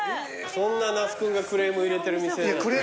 そんな那須君がクレーム入れてる店。